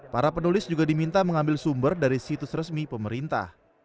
para penulis juga diminta mengambil sumber dari situs resmi pemerintah